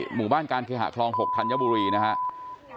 หมู่บ้านการเคหะคลอง๖ธัญบุรีนะครับ